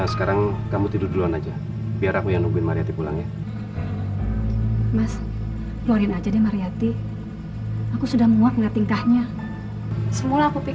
semula aku pikir dia tuh baik penurut